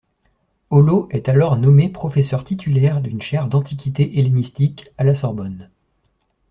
Holleaux est alors nommé professeur titulaire d'une chaire d'antiquité hellénistique à la Sorbonne.